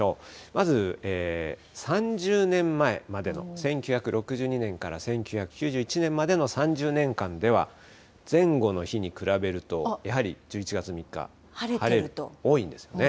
まず３０年前までの、１９６２年から１９９１年までの３０年間では、前後の日に比べると、やはり１１月３日、晴れ多いんですよね。